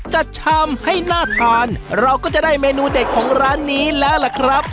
ชามให้น่าทานเราก็จะได้เมนูเด็ดของร้านนี้แล้วล่ะครับ